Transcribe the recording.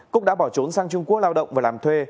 cúc đã bỏ trốn sang trung quốc lao động và làm thuê